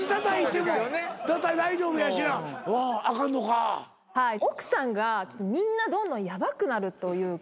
はい奥さんがみんなどんどんヤバくなるというか。